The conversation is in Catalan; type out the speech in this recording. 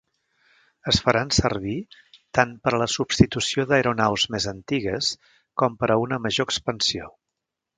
Es faran servir tant per a la substitució d'aeronaus més antigues com per a una major expansió.